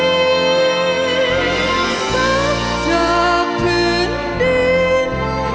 สักจากพื้นดิน